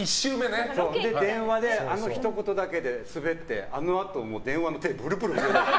電話であのひと言だけで、スベってあのあと電話の手ぶるぶる震えてた。